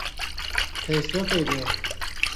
ہَئیسرَپِی دَے